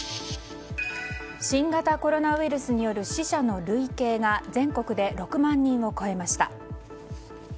新型コロナウイルスによる死者の累計が全国で６万人を超えました。